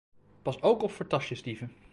Pas ook op voor tasjesdieven